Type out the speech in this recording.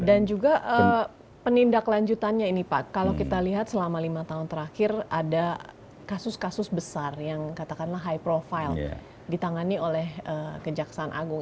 dan juga penindak lanjutannya ini pak kalau kita lihat selama lima tahun terakhir ada kasus kasus besar yang katakanlah high profile ditangani oleh kejaksaan agung